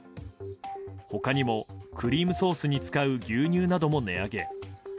他にもクリームソースに使う牛乳なども値上げ。